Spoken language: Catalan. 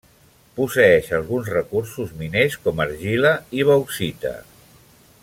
Posseeix alguns recursos miners com argila i bauxita.